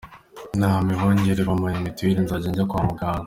Imana ibongerere, bampaye mituweli nzajya njya kwa muganga.